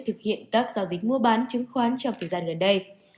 thực hiện các giao dịch mua bán chứng khoán trong thời gian gần đây